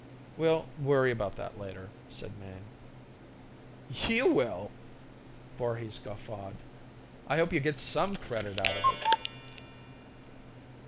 "We'll worry about that later," said Mayne. "You will!" Voorhis guffawed. "I hope you get some credit out of it."